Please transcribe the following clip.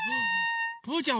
ぷうちゃん